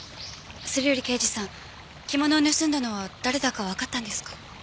それより刑事さん着物を盗んだのは誰だかわかったんですか？